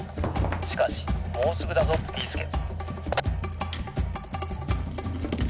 しかしもうすぐだぞビーすけ！」。